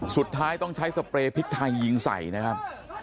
สุดท้ายต้องใช้สเปรย์พริกไทยยิงใส่นะครับ